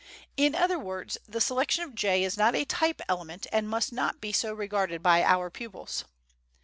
In other words, the selection of Jay is not a type element, and must not be so regarded by our pupils.